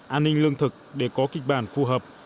an ninh lương thực để có kịch bản phù hợp